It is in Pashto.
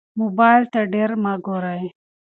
موبایل ته ډېر مه ګورئ.